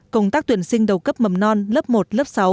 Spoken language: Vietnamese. công tác tuyển sinh đầu cấp mầm non lớp một lớp sáu